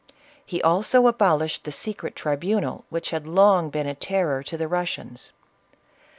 He also abolished the secret tribunal which had long been a terror to the Russians.